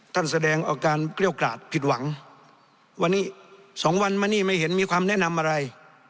แสดงอาการเกลี้ยวกราดผิดหวังวันนี้สองวันมานี่ไม่เห็นมีความแนะนำอะไร